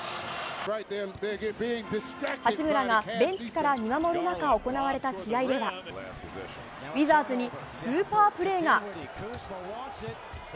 八村がベンチから見守る中行われた試合ではウィザーズにスーパープレーが。